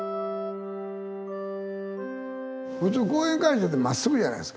普通講演会場ってまっすぐじゃないですか。